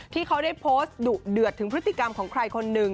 ที่เขาได้โพสต์ดุเดือดถึงพฤติกรรมของใครคนหนึ่ง